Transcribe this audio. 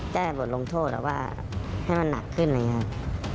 แก้บทลงโทษแหละว่าให้มันหนักขึ้นเลยครับ